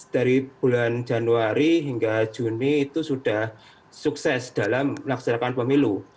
dari bulan januari hingga juni itu sudah sukses dalam melaksanakan pemilu